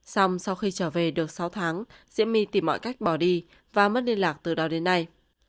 xong sau khi trở về được sáu tháng diễm my tìm mọi cách bỏ đi và mất liên lạc từ đó đến nay